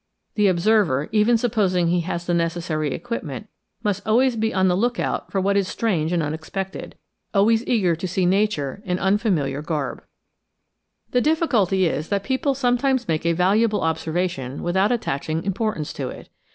The observer, even supposing he has the necessary equipment, must always be on the look out for what is strange and unexpected, always eager to see Nature in unfamiliar garb. 339 GREAT DISCOVERIES The difficulty is that people sometimes make a valuable observation without attaching importance to it.